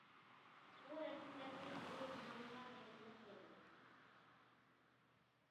بۇ رەسىملەردىن بىرى مانىغا ۋەكىللىك قىلىدۇ.